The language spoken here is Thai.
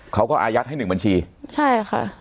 อายัดให้หนึ่งบัญชีใช่ค่ะ